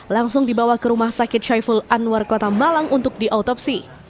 langsung dibawa ke rumah sakit syaiful anwar kota malang untuk diautopsi